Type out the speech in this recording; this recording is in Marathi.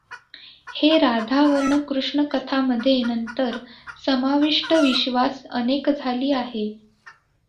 हे राधा वर्ण कृष्ण कथा मध्ये नंतर समाविष्ट विश्वास अनेक झाली आहे.